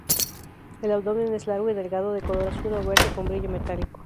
El abdomen es largo y delgado, de color azul o verde con brillo metálico.